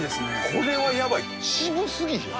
これはやばい渋すぎひん？